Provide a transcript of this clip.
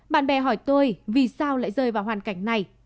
bạn bè hỏi tôi vì sao lại rơi vào hoàn cảnh này